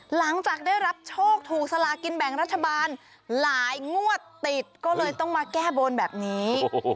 หลังจากได้รับโชคถูกสลากินแบ่งรัฐบาลหลายงวดติดก็เลยต้องมาแก้บนแบบนี้